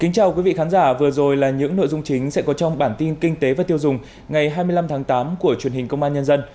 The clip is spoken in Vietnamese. chào mừng quý vị đến với bản tin kinh tế và tiêu dùng ngày hai mươi năm tháng tám của truyền hình công an nhân dân